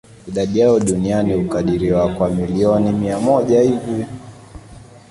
Idadi yao duniani hukadiriwa kuwa milioni mia moja hivi.